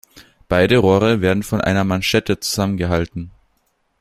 Beide Rohre werden von einer Manschette zusammengehalten.